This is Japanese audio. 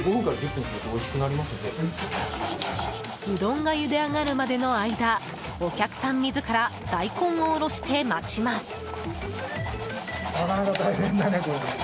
うどんが、ゆで上がるまでの間お客さん自ら大根を下ろして待ちます。